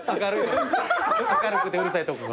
明るくてうるさいとこが。